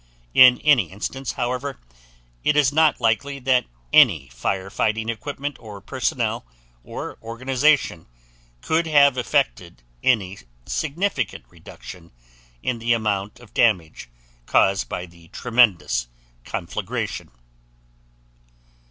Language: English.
In any case, however, it is not likely that any fire fighting equipment or personnel or organization could have effected any significant reduction in the amount of damage caused by the tremendous conflagration.